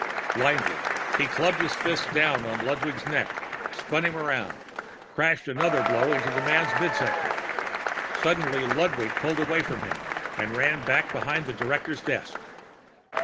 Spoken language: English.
Blindly he clubbed his fist down on Ludwig's neck, spun him around, crashed another blow into the man's midsection. Suddenly Ludwig pulled away from him and ran back behind the director's desk.